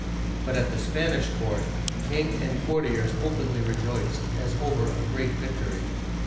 " But at the Spanish court, king and courtiers openly rejoiced, as over a great victory.